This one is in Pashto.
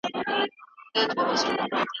نه ماتېدونکي يو.